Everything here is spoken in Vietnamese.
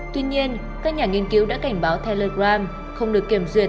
tuy nhiên các nhà nghiên cứu đã cảnh báo telegram không được kiểm duyệt